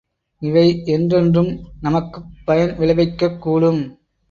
இவை என்றென்றும் நமக்குப் பயன் விளைக்கக் கூடும்.